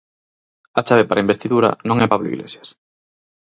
A chave para a investidura non é Pablo Iglesias.